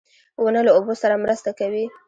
• ونه له اوبو سره مرسته کوي.